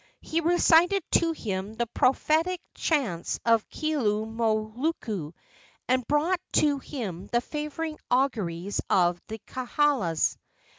He recited to him the prophetic chants of Keaulumoku, and brought to him the favoring auguries of the kaulas.